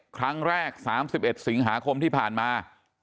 ครั้งแรก๓๑สิงหาคมที่ผ่านมา